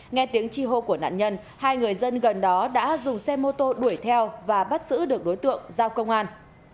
nghe tiếng chi hô của nạn nhân hai người dân gần đó đã dùng xe mô tô đuổi theo và bắt giữ được đối tượng giao công an